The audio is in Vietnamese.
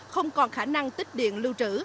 không còn khả năng tích điện lưu trữ